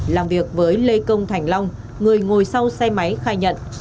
làm việc với lê công thành long người ngồi sau xe máy khai nhận